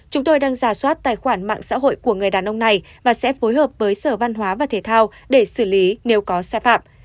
chúng tôi đang giả soát tài khoản mạng xã hội của người đàn ông này và sẽ phối hợp với sở văn hóa và thể thao để xử lý nếu có sai phạm